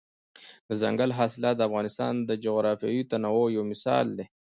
دځنګل حاصلات د افغانستان د جغرافیوي تنوع یو مثال دی.